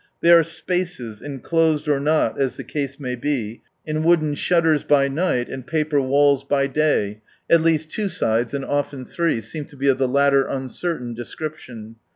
They are spaces, enclosed or not, as the case may be, in wooden shutters by night, and paper walls by day, at leasi, two sides and often three, seem to be of the Utter uncertain description.